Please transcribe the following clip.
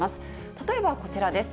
例えばこちらです。